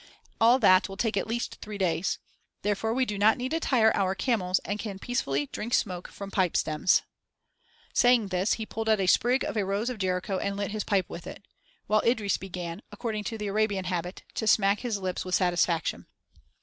All that will take at least three days. Therefore we do not need to tire our camels and can peacefully 'drink smoke' from pipe stems." Saying this, he pulled out a sprig of a rose of Jericho and lit his pipe with it, while Idris began, according to the Arabian habit, to smack his lips with satisfaction.